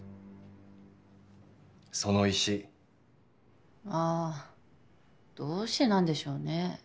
その石ああどうしてなんでしょうね？